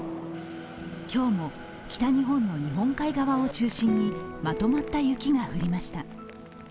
今日も北日本の日本海側を中心にまとまった雪が降りました。